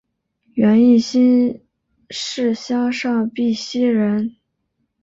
袁翼新市乡上碧溪人。